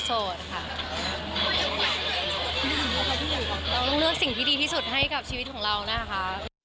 เราต้องเลือกสิ่งที่ดีที่สุดให้กับชีวิตของเรานะคะ